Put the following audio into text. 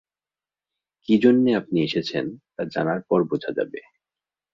কি জন্যে আপনি এসেছেন তা জানার পর বোঝা যাবে।